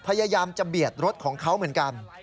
พยายามจะเบียดรถของเขาเหมือนกัน